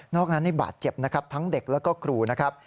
นอกนั้นในบาดเจ็บทั้งเด็กและก็กลูนะครับ